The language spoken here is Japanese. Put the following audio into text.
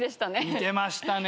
似てましたね。